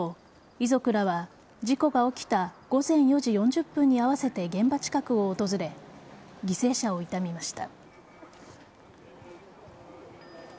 遺族らは、事故が起きた午前４時４０分に合わせて現場近くを訪れ犠牲者を悼みました。